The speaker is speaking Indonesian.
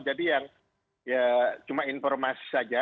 jadi yang ya cuma informasi saja